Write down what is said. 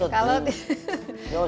kau si tu